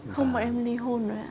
không mà em li hôn rồi ạ